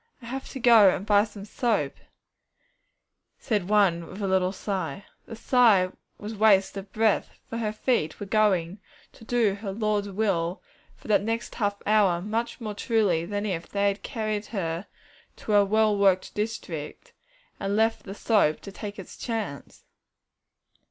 'I have to go and buy some soap,' said one with a little sigh. The sigh was waste of breath, for her feet were going to do her Lord's will for that next half hour much more truly than if they had carried her to her well worked district, and left the soap to take its chance.